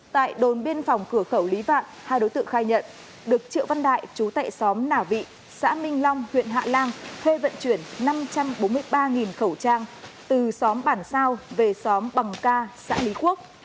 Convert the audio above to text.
tại đồn biên phòng cửa khẩu lý vạn hai đối tượng khai nhận được triệu văn đại chú tệ xóm nả vị xã minh long huyện hạ lan thuê vận chuyển năm trăm bốn mươi ba khẩu trang từ xóm bản sao về xóm bằng ca xã lý quốc